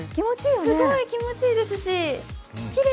すごい気持ちいいですし、きれい。